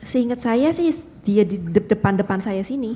seingat saya sih dia di depan depan saya sini